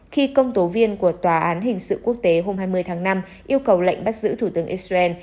khi công tố viên của tòa án hình sự quốc tế hôm hai mươi tháng năm yêu cầu lệnh bắt giữ thủ tướng israel